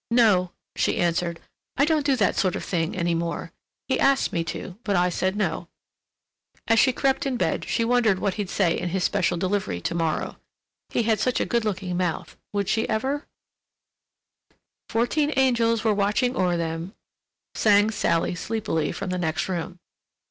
"No," she answered. "I don't do that sort of thing any more; he asked me to, but I said no." As she crept in bed she wondered what he'd say in his special delivery to morrow. He had such a good looking mouth—would she ever—? "Fourteen angels were watching o'er them," sang Sally sleepily from the next room.